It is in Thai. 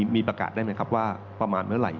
มีประกาศได้ไหมครับว่าประมาณเมื่อไหร่